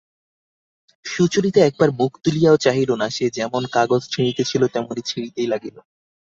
সুচরিতা একবার মুখ তুলিয়াও চাহিল না, সে যেমন কাগজ ছিঁড়িতেছিল তেমনি ছিঁড়িতেই লাগিল।